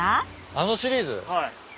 あのシリーズ？はい。